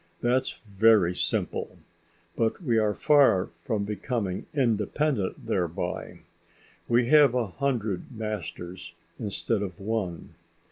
That's very simple. But we are far from becoming independent thereby. We have a hundred masters instead of one.